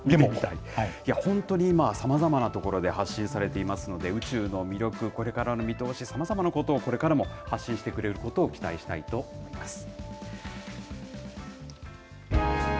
いや、ほんとに今、さまざまなところで発信されていますので、宇宙の魅力、これからの見通し、さまざまなことをこれからも発信してくれることを期待したいと思います。